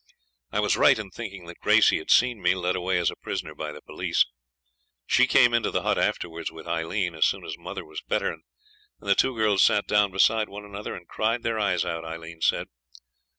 I was right in thinking that Gracey had seen me led away a prisoner by the police. She came into the hut afterwards with Aileen, as soon as mother was better, and the two girls sat down beside one another and cried their eyes out, Aileen said.